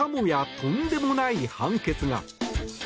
とんでもない判決が。